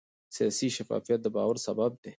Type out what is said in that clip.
سیاسي شفافیت د باور سبب دی